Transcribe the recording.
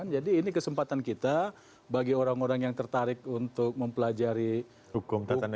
jadi ini kesempatan kita bagi orang orang yang tertarik untuk mempelajari hukum tata negara ini kesempatan kita